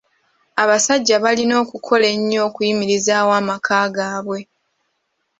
Abasajja balina okukola ennyo okuyimirizaawo amaka gaabwe.